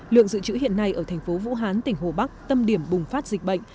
lượng dự trữ hiện nay ở thành phố vũ hán tỉnh hồ bắc tâm điểm bùng phát dịch bệnh